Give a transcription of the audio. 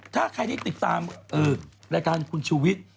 ถ้าใครที่ติดตามรายการคุณชูวิทย์